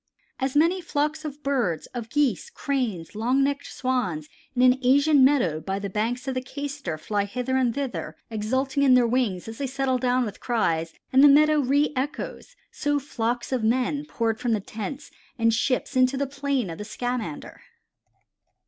"As many flocks of birds, of Geese, Cranes, long necked Swans, in an Asian meadow by the banks of the Cayster fly hither and thither exulting in their wings as they settle down with cries and the meadow reëchoes, so flocks of men poured from the tents and ships into the plain of the Scamander."